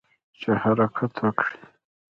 چې حرکت وکړي.